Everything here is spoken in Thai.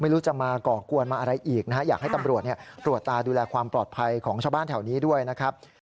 และความปลอดภัยของชาวบ้านแถวนี้ด้วยนะครับ